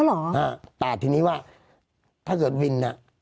พโค้กแต่ทีนี้ว่าถ้าเกิดวิน